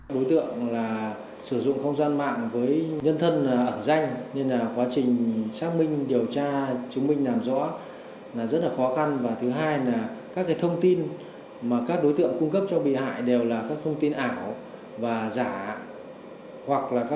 đối tượng sử dụng không gian mạng với nhân thân ẩn danh nên là quá trình xác minh điều tra chứng minh làm rõ